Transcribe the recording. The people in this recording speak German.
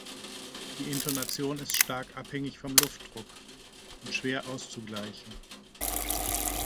Die Intonation ist stark abhängig vom Luftdruck und schwer auszugleichen.